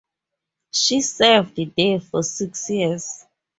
She served there for six years.